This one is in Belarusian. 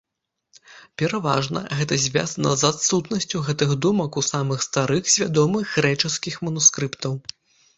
Пераважна, гэта звязана з адсутнасцю гэтых думак у самых старых з вядомых грэчаскіх манускрыптаў.